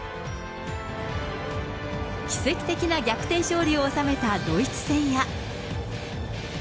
奇跡的な逆転勝利を収めたドイツ戦や。